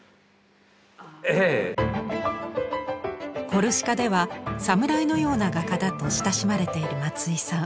コルシカではサムライのような画家だと親しまれている松井さん。